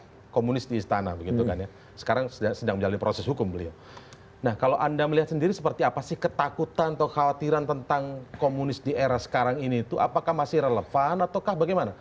ada komunis di istana begitu kan ya sekarang sedang menjalani proses hukum beliau nah kalau anda melihat sendiri seperti apa sih ketakutan atau khawatiran tentang komunis di era sekarang ini itu apakah masih relevan atau bagaimana